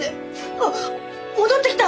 あっ戻ってきた！